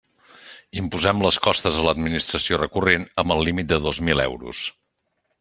Imposem les costes a l'Administració recurrent, amb el límit de dos mil euros.